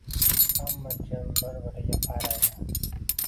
Hamma jim bir biriga qaraydi.